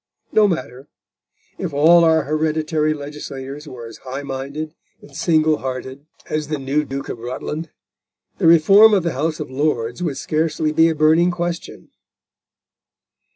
No matter! If all our hereditary legislators were as high minded and single hearted as the new Duke of Rutland, the reform of the House of Lords would scarcely be a burning question.